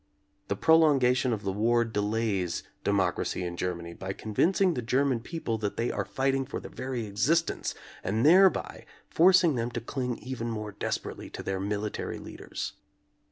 The prolongation of the war delays de mocracy in Germany by convincing the German people that they are fighting for their very exist ence and thereby forcing them to cling even more desperately to their military leaders.